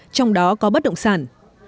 trong đó có bất động sản